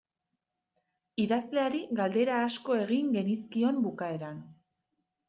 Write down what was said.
Idazleari galdera asko egin genizkion bukaeran.